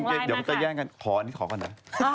เดี๋ยวมันจะแย่งกันขออันนี้ขอก่อนนะ